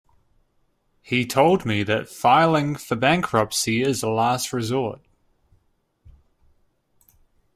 He told me that filing for bankruptcy is the last resort.